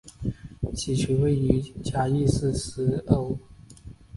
西区位于嘉义市西隅。